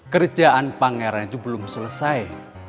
kerjaan pangeran itu belum selesai